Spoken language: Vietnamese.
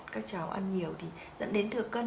các cháu ăn nhiều thì dẫn đến thừa cân